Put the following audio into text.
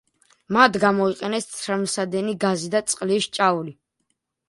მათ გამოიყენეს ცრემლსადენი გაზი და წყლის ჭავლი.